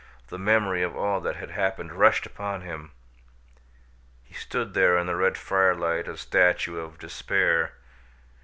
the memory of all that had happened rushed upon him. He stood there in the red firelight a statue of despair.